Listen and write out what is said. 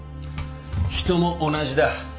人も同じだ。